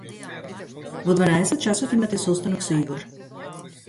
Во дванаесет часот имате состанок со Игор.